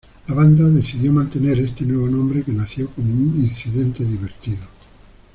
La banda decidió mantener este nuevo nombre, que nació como un incidente divertido.